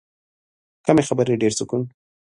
کمې خبرې، ډېر سکون.